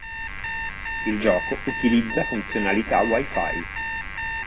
Il gioco utilizza funzionalità wi-fi.